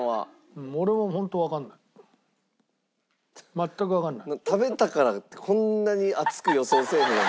全くわからない。